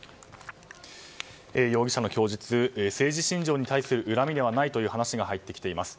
容疑者の供述政治信条に対する恨みではないという話が入ってきています。